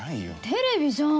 テレビじゃん。